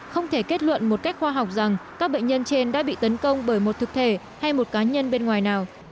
không thể kết luận một cách khoa học rằng các bệnh nhân trên đã bị tấn công bởi một thực thể hay một cá nhân bên ngoài nào